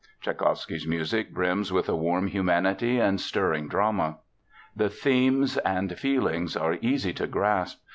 Tschaikowsky's music brims with a warm humanity and stirring drama. The themes and feelings are easy to grasp.